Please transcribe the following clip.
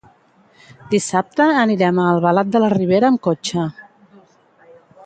Dissabte anirem a Albalat de la Ribera amb cotxe.